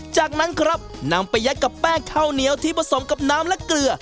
จากนั้นครับนำไปยัดกับแป้งข้าวเหนียวที่ผสมกับน้ำและเกลือ